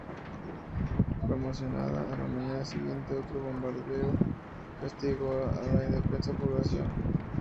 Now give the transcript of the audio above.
Conmocionada, a la mañana siguiente otro bombardeo castigó a la indefensa población.